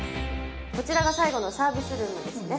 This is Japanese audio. こちらが最後のサービスルームですね。